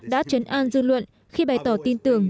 đã chấn an dư luận khi bày tỏ tin tưởng